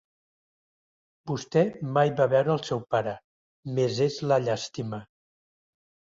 Vostè mai va veure el seu pare, més és la llàstima.